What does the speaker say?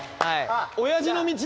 おやじの道だ。